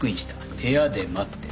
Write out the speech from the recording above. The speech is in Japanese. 部屋で待ってる」